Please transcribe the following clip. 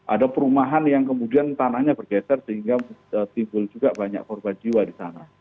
ada perumahan yang kemudian tanahnya bergeser sehingga timbul juga banyak korban jiwa di sana